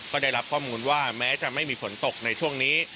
ก็ได้รับข้อมูลว่าแม้จะไม่มีฝนตกในช่วงนี้